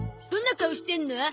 どんな顔してるの？